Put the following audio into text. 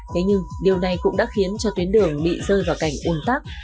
thế nhưng điều này cũng đã khiến cho tuyến đường bị rơi vào cảnh un tắc